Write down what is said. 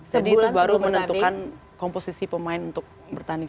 jadi itu baru menentukan komposisi pemain untuk bertanding